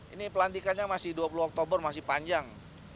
ini pelantikannya masih dua puluh oktober masih panjang